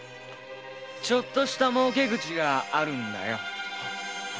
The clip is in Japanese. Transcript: ちょっとした儲け口があるんだよ。